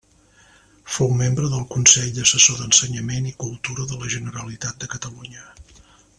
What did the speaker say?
Fou membre del Consell Assessor d'Ensenyament i Cultura de la Generalitat de Catalunya.